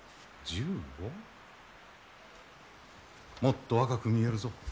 もっと若く見えるぞ。